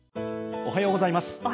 おはようございます。